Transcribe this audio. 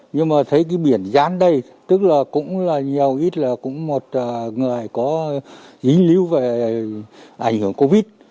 nhưng mà thấy cái biển gián đây tức là cũng là nhiều ít là cũng một người có ý lưu về ảnh hưởng covid